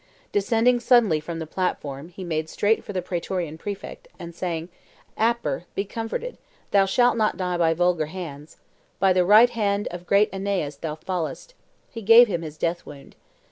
Descending suddenly from the platform, he made straight for the Praetorian prefect, and saying, "Aper, be comforted; thou shalt not die by vulgar hands; by the right hand of great AEneas thou fallest," he gave him his death wound.